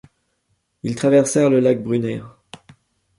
Ils traversèrent le lac Brunner.